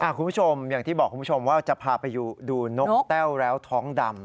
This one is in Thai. คุณผู้ชมอย่างที่บอกคุณผู้ชมว่าจะพาไปดูนกแต้วแล้วท้องดำ